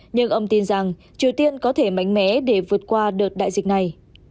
nhưng ông tin rằng triều tiên có thể mạnh mẽ để vượt qua đợt đại dịch này